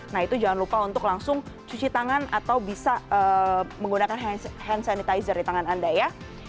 nah itu jangan lupa untuk langsung cuci tangan atau bisa menggunakan hand sanitizer di tangan anda ya